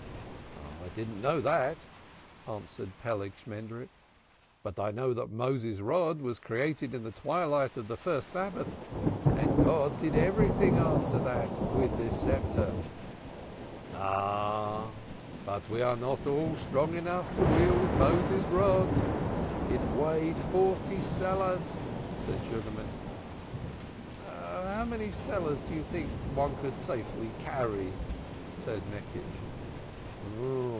"I did not know that," answered Peleg Shmendrik, "but I know that Moses's Rod was created in the twilight of the first Sabbath and God did everything after that with this sceptre." "Ah, but we are not all strong enough to wield Moses's Rod; it weighed forty seahs," said Sugarman. "How many seahs do you think one could safely carry?" said Meckisch.